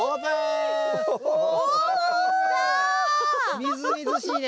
みずみずしいね！